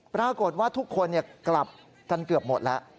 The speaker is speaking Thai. ปรากฏว่าทุกคนกลับกันเกือบหมดแล้ว